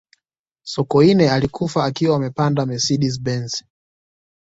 sokoine alikufa akiwa amepanda mercedes benz